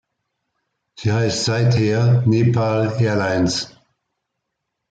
Sie heißt seither "Nepal Airlines".